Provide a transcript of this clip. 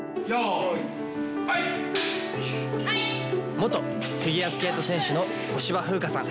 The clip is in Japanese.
元フィギュアスケート選手の小芝風花さん。